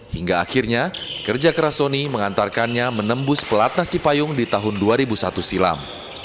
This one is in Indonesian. hingga akhirnya kerja keras sonny mengantarkannya menembus pelat nasi payung di tahun dua ribu satu silam